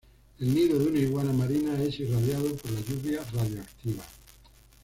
El nido de una iguana marina es irradiado por la lluvia radioactiva.